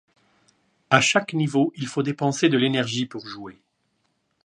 À chaque niveau, il faut dépenser de l'énergie pour jouer.